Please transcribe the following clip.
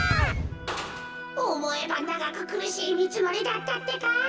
おもえばながくくるしいみちのりだったってか。